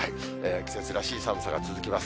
季節らしい寒さが続きます。